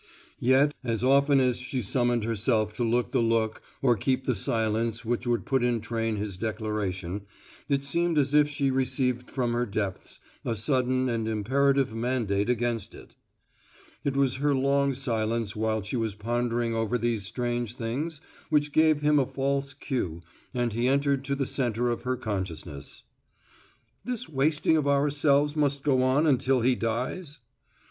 Yet as often as she summoned herself to look the look or keep the silence which would put in train his declaration, it seemed as if she received from her depths a sudden and imperative mandate against it. It was her long silence while she was pondering over these strange things which gave him a false cue and he entered to the center of her consciousness. "This wasting of ourselves must go on until he dies?"